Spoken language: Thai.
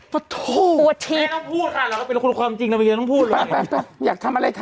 พระโทษแม่ต้องพูดค่ะเหลือคุณความจริงแม่ต้องพูดเลยแม่ต้องพูดแม่ต้องพูดค่ะ